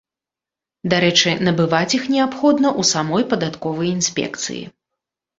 Дарэчы, набываць іх неабходна ў самой падатковай інспекцыі.